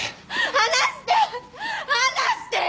離してよ！